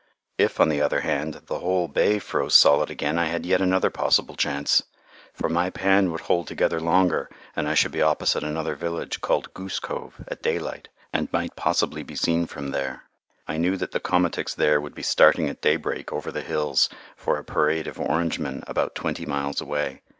If, on the other hand, the whole bay froze solid again I had yet another possible chance. For my pan would hold together longer and I should be opposite another village, called Goose Cove, at daylight, and might possibly be seen from there. I knew that the komatiks there would be starting at daybreak over the hills for a parade of Orangemen about twenty miles away.